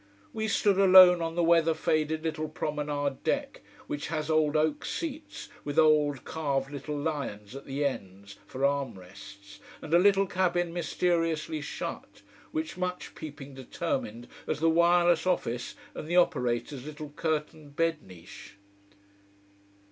We stood alone on the weather faded little promenade deck, which has old oak seats with old, carved little lions at the ends, for arm rests and a little cabin mysteriously shut, which much peeping determined as the wireless office and the operator's little curtained bed niche.